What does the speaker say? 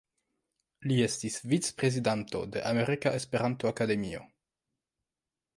Li estis vic-prezidanto de Amerika Esperanto-Akademio.